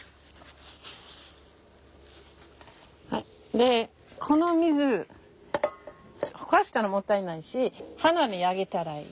でこの水ほかしたらもったいないし花にあげたらいい。